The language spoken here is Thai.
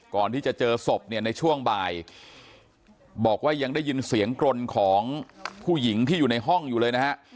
ก่อนที่จะเจอศพเนี่ยในช่วงบ่ายบอกว่ายังได้ยินเสียงกรนของผู้หญิงที่อยู่ในห้องอยู่เลยนะฮะ